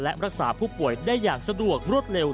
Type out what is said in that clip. และรักษาผู้ป่วยได้อย่างสะดวกรวดเร็ว